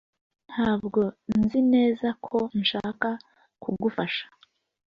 Ntabwo nzi neza ko nshaka kugufasha